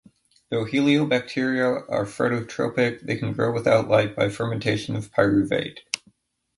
Though heliobacteria are phototrophic, they can grow without light by fermentation of pyruvate.